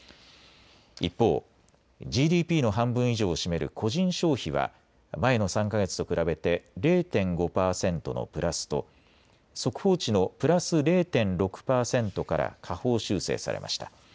一方、ＧＤＰの半分以上を占める個人消費は前の３か月と比べて０．５％のプラスと速報値のプラス０．６％から下方修正されました。